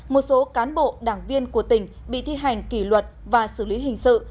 một số cán bộ đảng viên của tỉnh bị thi hành kỷ luật và xử lý hình sự